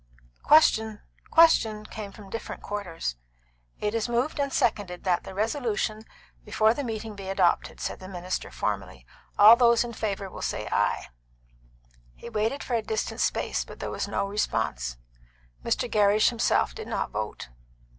"Question!" "Question!" came from different quarters. "It is moved and seconded that the resolution before the meeting be adopted," said the minister formally. "All those in favour will say ay." He waited for a distinct space, but there was no response; Mr. Gerrish himself did not vote.